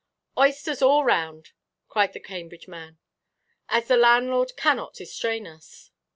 "Oysters all round!" cried the Cambridge man, "as the landlord cannot distrain us.